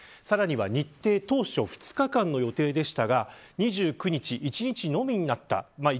さらには、日程は当初、２日間の予定でしたが２９日、一日のみになりました。